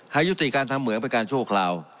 หายุติการทำเหมืองเป็นการโชคคลาว